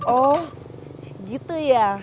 oh gitu ya